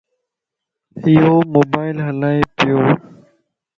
يوموبائل ھلائي پيو